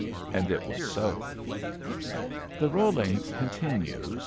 And it was so. The rolling continues.